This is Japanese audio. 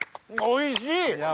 おいしい！